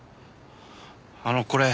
あのこれ。